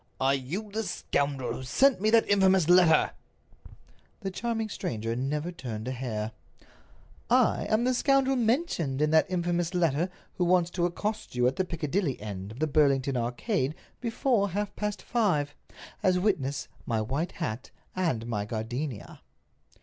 "Are you the scoundrel who sent me that infamous letter?" The charming stranger never turned a hair. "I am the scoundrel mentioned in that infamous letter who wants to accost you at the Piccadilly end of the Burlington Arcade before half past five—as witness my white hat and my gardenia."